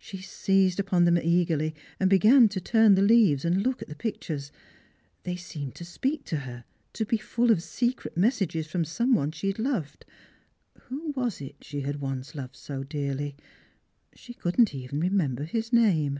She seized upon them eagerly, and began to turn the leaves, and look at the pictures. They seemed to speak tc her, to be full of secret messages from some one she had loved. Who was it she had once loved so dearly P She could not even remember his name.